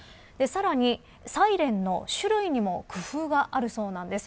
さらに、サイレンの種類にも工夫があるそうです。